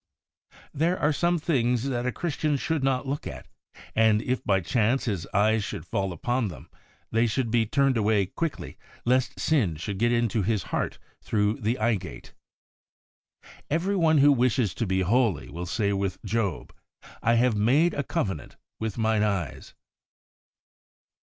There are some things that a Christian should not look at, and if by chance his eyes should fall upon them, they should be turned away quickly lest sin should get into his heart through Eye gate. Every one who wishes to be holy will say with Job, ' I have made a covenant with mine eyes.